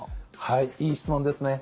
はいいい質問ですね。